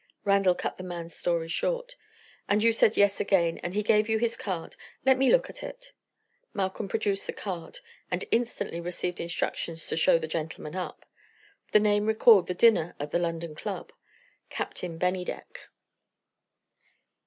Randal cut the man's story short. "And you said Yes again, and he gave you his card. Let me look at it." Malcolm produced the card, and instantly received instructions to show the gentleman up. The name recalled the dinner at the London club Captain Bennydeck.